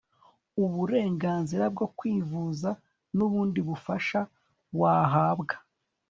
uburenganzira bwo kwivuza n'ubundi bufasha wahabwa